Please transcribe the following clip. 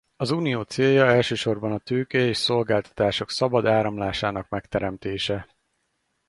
Az Unió célja elsősorban a tőke és szolgáltatások szabad áramlásának megteremtése.